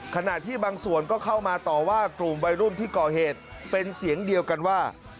ขณะที่บางส่วนก็เข้ามาต่อว่ากลุ่มวัยรุ่นที่ก่อเหตุเป็นเสียงเดียวกันว่า